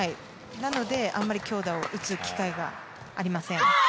なのであまり強打を打つ機会がありません。